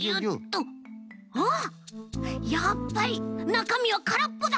あっやっぱりなかみはからっぽだ！